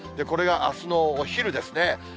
これがあすのお昼ですね。